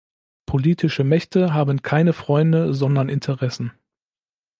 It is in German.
Politische Mächte haben keine Freunde, sondern Interessen.